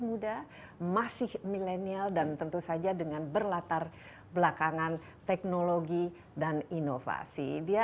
muda masih milenial dan tentu saja dengan berlatar belakangan teknologi dan inovasi dia